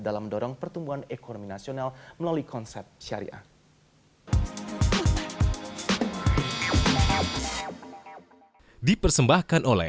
dalam mendorong pertumbuhan ekonomi nasional melalui konsep syariah dipersembahkan oleh